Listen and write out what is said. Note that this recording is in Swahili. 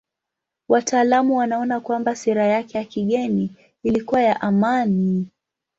Wataalamu wanaona kwamba sera yake ya kigeni ilikuwa ya amani.